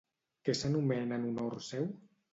Què s'anomena en honor seu?